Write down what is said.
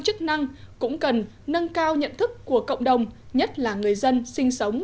chức năng cũng cần nâng cao nhận thức của cộng đồng nhất là người dân sinh sống